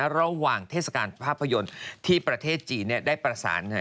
เทศกาลภาพยนตร์ที่ประเทศจีนได้ประสาน